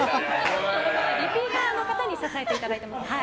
リピーターの方に支えていただいてます。